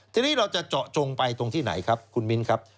ทีนี้เราจะเจาะจงไปตรงที่ไหนครับคุณมิ้นครับ